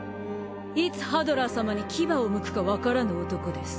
いつハドラー様に牙をむくかわからぬ男です。